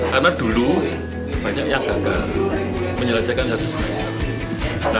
karena dulu banyak yang gagal menyelesaikan satu semangat